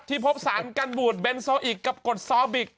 พบสารกันบูดเบนโซอิกกับกฎซอบิก